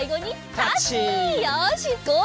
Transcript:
よしごう